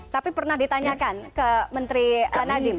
tapi pernah ditanyakan ke menteri nadiem